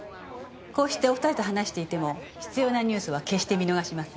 こうしてお２人と話していても必要なニュースは決して見逃しません。